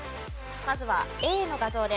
まずはＡの画像です。